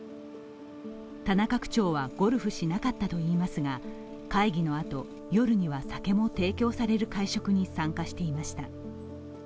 田中区長はゴルフしなかったといいますが会議のあと、夜には酒も提供される会食に参加していました。